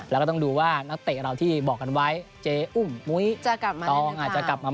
แล้วก็ต้องดูว่านักเตะเราที่บอกกันไว้เจออุ้มมุ้ยตองอาจจะกลับมา